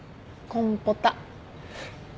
コンポタ。